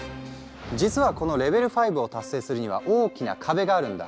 実はこのレベル５を達成するには大きな壁があるんだ。